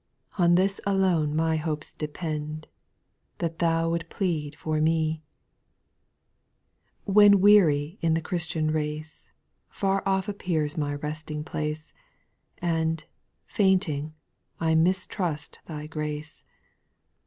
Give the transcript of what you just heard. On this alone my hopes depend, That Thou wilt plead for me, % When weary in the Christian race. Far off appears my resting place, And, fainting, I mistrust Thy grace.